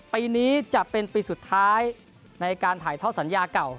ปีนี้จะเป็นปีสุดท้ายในการถ่ายท่อสัญญาเก่า